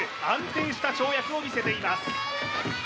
安定した跳躍を見せています